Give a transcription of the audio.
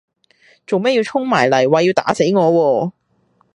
做咩要衝埋嚟話要打死我喎